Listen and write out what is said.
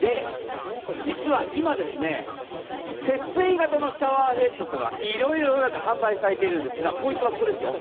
実は今、節水型のシャワーヘッドというのはいろいろ販売されているんですが、ポイントはここですよ。